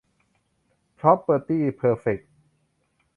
พร็อพเพอร์ตี้ เพอร์เฟค